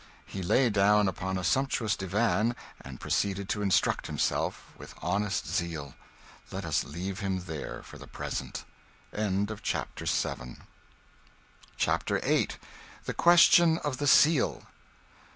He lay down upon a sumptuous divan, and proceeded to instruct himself with honest zeal. Let us leave him there for the present. CHAPTER VIII. The Question of the Seal.